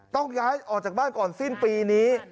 ต้องย้ายออกจากบ้านก่อนสิ้นปีนี้